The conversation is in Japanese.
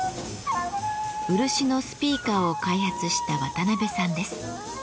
漆のスピーカーを開発した渡邉さんです。